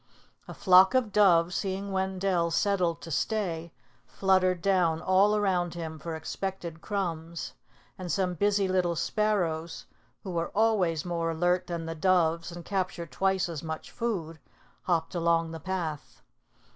A flock of doves, seeing Wendell settled to stay, fluttered down all around him for expected crumbs; and some busy little sparrows, who are always more alert than the doves and capture twice as much food, hopped along the path.